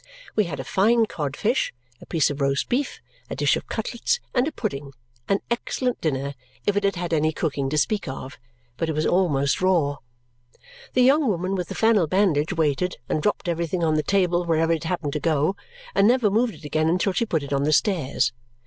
We had a fine cod fish, a piece of roast beef, a dish of cutlets, and a pudding; an excellent dinner, if it had had any cooking to speak of, but it was almost raw. The young woman with the flannel bandage waited, and dropped everything on the table wherever it happened to go, and never moved it again until she put it on the stairs.